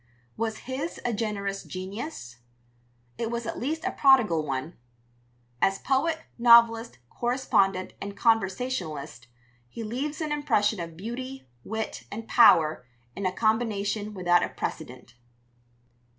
Was his a generous genius? It was at least a prodigal one. As poet, novelist, correspondent, and conversationalist, he leaves an impression of beauty, wit, and power in a combination without a precedent.